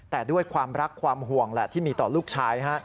แต่ด้วยความรักความห่วงแหละที่มีต่อลูกชาย